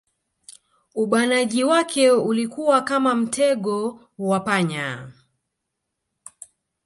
Ubanaji wake ulikuwa kama mtego wa panya